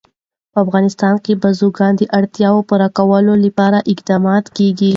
په افغانستان کې د بزګان د اړتیاوو پوره کولو لپاره اقدامات کېږي.